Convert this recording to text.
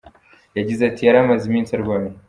Yagize ati “Yari amaze iminsi arwaye.